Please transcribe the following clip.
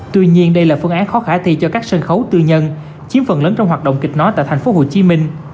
tuy nhiên đây là phương án khó khả thi cho các sân khấu tư nhân chiếm phần lớn trong hoạt động kịch nói tại tp hcm